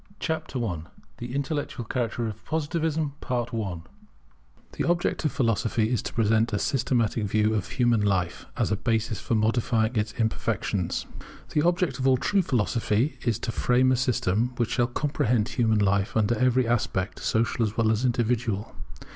CHAPTER I THE INTELLECTUAL CHARACTER OF POSITIVISM [The object of Philosophy is to present a systematic view of human life, as a basis for modifying its imperfections] The object of all true Philosophy is to frame a system which shall comprehend human life under every aspect, social as well as individual.